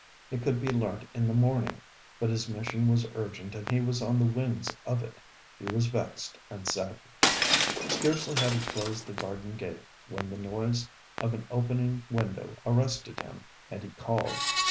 It could be learnt in the morning; but his mission was urgent and he on the wings of it. He was vexed and saddened. Scarcely had he closed the garden gate when the noise of an opening window arrested him, and he called.